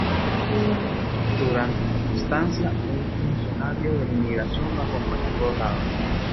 Durante su estancia, un funcionario de inmigración le acompañó a todos lados.